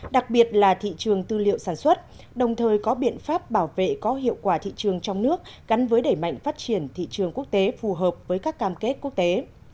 đặc biệt là thị trường tư liệu sản xuất đồng thời có biện pháp bảo vệ có hiệu quả thị trường trong nước gắn với đẩy mạnh phát triển thị trường quốc tế phù hợp với các cam kết quốc tế